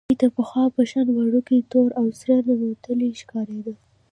دی د پخوا په شان وړوکی، تور او سره ننوتلی ښکارېده.